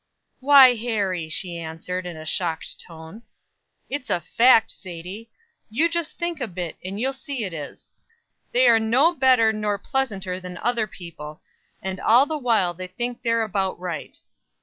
"Why, Harry!" she answered, in a shocked tone. "It's a fact, Sadie. You just think a bit, and you'll see it is. They're no better nor pleasanter than other people, and all the while they think they're about right."